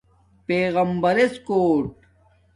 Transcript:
پیغمبرژ کݸٹ